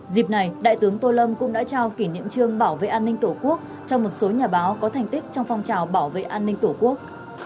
dịp này đại tướng tô lâm cũng đã trao kỷ niệm trương bảo vệ an ninh tổ quốc cho một số nhà báo có thành tích trong phong trào bảo vệ an ninh tổ quốc